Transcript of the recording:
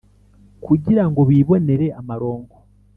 kugira ngo bibonere amaronko,